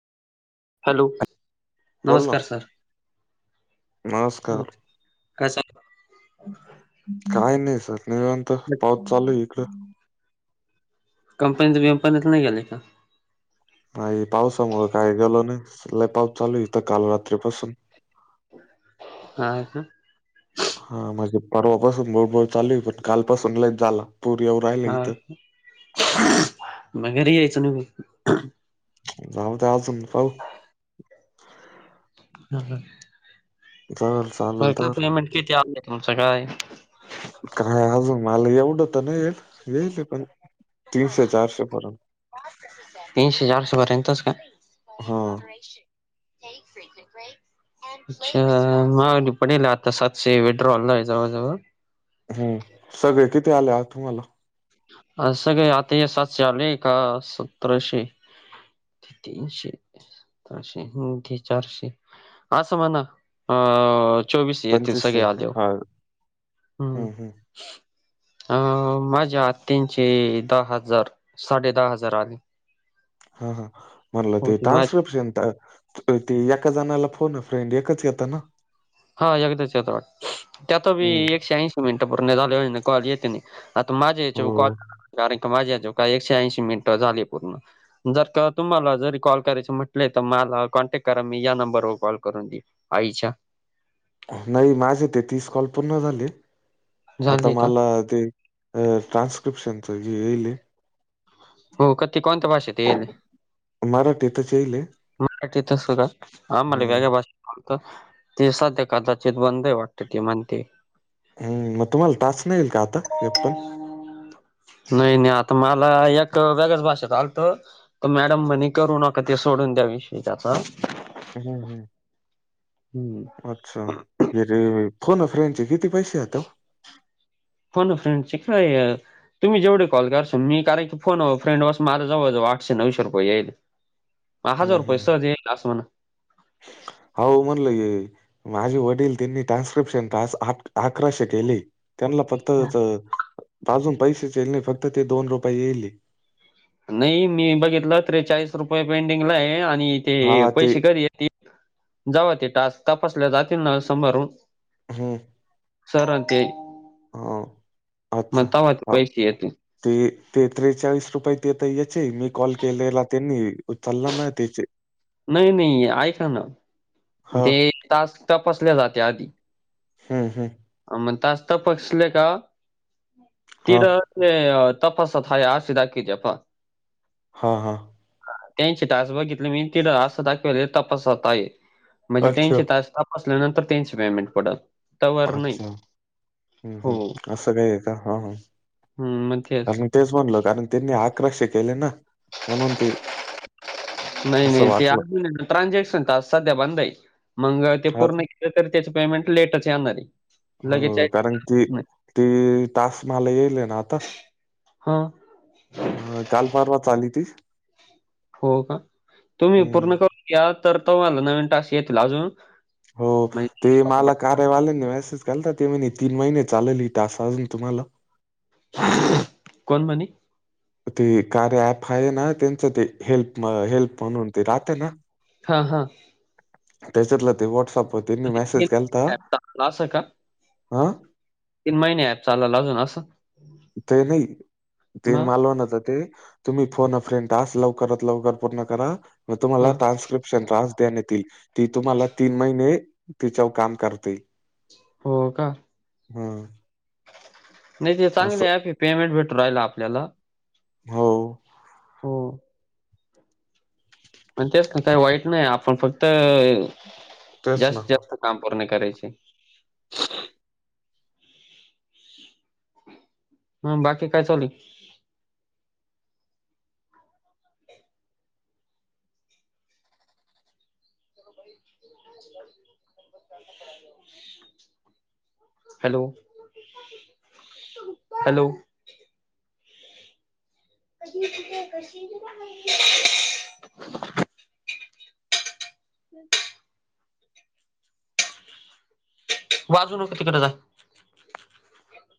Hello बोल ना नमस्कार सर. नमस्कार कस. काय नाही सर निवंत पाऊस चालू आहे इकड. कंपनीत वंपनीत नाही गेलेय का. नाही पावसामुंळ काय गेल नाही लय पाऊस चालू इथं काल रात्रीपासून. हो. हा का. हा म्हणजे परवापासून बळबळ चालू आहे पण कालपासून लईच झाला पूर येऊ राहिला इथं. मगरी यायचं न. जाऊत आचम पाऊ. हा हा. तरल. बर काय पेमेंट किती आलंय तुमचं काय. काय अजून मला एवढं तर नाही. येल पण तीनशे चारशे पर्यंत. तीनशे चारशे पर्यंतस का. हा ते. अच्छा मग पणल आता सातशे वेड्रॉलला आहे जवळ जवळ. हम्म सगळे किथे आले तुम्हाला. अस स काय आता हे सातशे आलेय का सतराशे. तीनशे. चारशेे चारशे असं म्हणा अ. चोवीस ये ते पंचवीसशे सगळे आले हो हा हम्. हम्म हम्म ह मजा आत. तीनशे दहा हजार साडे दहा हजार आले. हा हा म्हटलं ते होते माझे ट्रान्स्क्रिप्शन. ते एका जाणाला फोन आहे फ्रेंड एकाच येत ना. हा यगद चित्रट त्यात बी हम्म एकशे ऐंशी. मिनटं पूर्ण झाले हो कॉ येते आता माझ्या या्याच्या कॉ. हो. कारण का माझ्या आजो काय एकशे ऐंशी मिनिटं झाली पूर्ण. जर का तुम्हाला जरी कॉल करायच म्हटलंय तर मला कॉन्टॅक्ट करा मी या नंबरवर कॉल करून दीन. आईच्या नाही माझे ते तीस कॉल पूर्ण झाले. आता झाले का मला ते अ ट्रानस्क्र्रीप्शन च येईल य. हो क त्या कोणत्या भाषेत येईल? मराठीतच येईले. मराठीत स का? आमला हं, वेग्या भाष ते सध्या कदाचित बंदही वाटत त म्हणते. हम् मग तुम्हाला टास्क नाही ईल का आता ए पण नाही नाही. आता मला एक वेगळ्याच भाषेत आलत. तर मॅडम म्हणे करू नका ते सोडून द्या विषयी त्याचा. हम्म हम्. हम्म अच्छा! हे रे फोन फ्र्यांचे किती पैसे यातो? फोन फ्रेंड चे काय तुम्ही जेवढ कॉल करसन मी कारण क फोन फ्रेड बस माझ जवळ - जव आठशे - नऊशे रुपये यायले. म हजार रुपय सहज येईल अस म्हणा. आ वो म्हण लंय - - माझे वडील त्यांनी ट्रान्स्क्रिप्शन टास्क आकराशे केले. त्यांन ला फक्त च अजून पैसेच येल नाही फक्त ते दोन रुपये येईले. नाही मी बघितलं. त्रेचाळीस रुपये पेंडिंगला आहे आणि हे ते पैसे कधी जवा ते टास्क तपासल्या जातील न समारून हम्म. सर न ते [inaudible] अच्छा. म तवा ते हो. पैसे येतील. ते ते त्रेचाळीस रुपये तेेत याचे मी कॉल केलेला त्यांनी उचलला नाही त्याचे. नाही नाही ऐका ना? हा ते टास्क तपासल्या जाते आधी. हम् हम्. अ म टास्क तापसले का हा तिर ले तपासतय हाय अस दाखिव त्या पाहा. हा हा. त्यांची टास बघितली मी तिड असं दाखवाले तपासत आहे - म्हणजे अच्छा तीनशे तास तपासल्यानंतर त्यांनश पेमेंट पडल तवर हा नाही. हम्म हो. हम् असं काही आहे का हा हा. हम्म मध्यच - कारण तेच म्हणलो कारण त्यांनी आकराशे केले ना? म्हणून ते नाही असं नाही ते वाटलं अजून ट्रान्झॅक्शन टा सध्या बंद आहे मग ते हा का पूर्ण तरी त्याची पेमेंट लेटच येणारय. हो कारण ती ती तास मला येई ले ना आता. हा. अ काल परवाच आली ती. हो का? तुम्ही हम्म पूर्ण करून घ्या तर तुम्हाला नवीन टास येतील अजून. हो माहि ते मला कार्यवाल्यांनी मेसेज केलता ते म्हणे तीन महिने चालेल टासाजून तुम्हाला. कोण म्हणे? ते कार्य ऍप आहे ना? त्यांचं ते हेल्प हेल्प म्हणून ते राहतें ना? हा -हा. त्याच्यातलं ते वॉट्सअपवर त्यांनी म्हणजे मेसेज केलता महिने ॲप चालल हा? तीन महिने ऍप चालल अजून असं ते नाही ते मग मालवण तर ते तुम्ही फोन अफ्रें तास लवकरात लवकर पूर्ण करा मग हा तुम्हाला ट्रान्स्क्रिप्शन तास तील ती तुम्हाला तीन महिने तिच्यावर काम करतील हो का हम् नाही ते चांगले ऍप हे पेमेंट भेटू राहिल आपल्याला हो हम मण तेच का काही वाईट नाही आपण फक्त तेच ना. जास्त जास्त काम पूर्ण करायचे. ह ह बाकी काय चालु आहे. ह हॅलो हॅलो कधी तिथ क का माहिे ह वाजू नको तिकडे जा